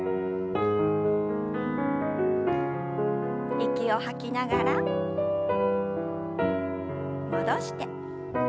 息を吐きながら戻して。